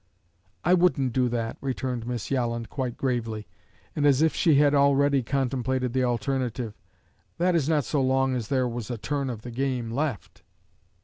"I wouldn't do that," returned Miss Yolland, quite gravely, and as if she had already contemplated the alternative; " that is, not so long as there was a turn of the game left."